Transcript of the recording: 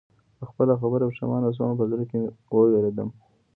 په خپله خبره پښېمانه شوم او په زړه کې ووېرېدم